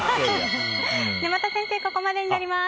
沼田先生、ここまでになります。